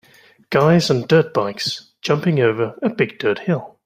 Guys on dirt bikes jumping over a big dirt hill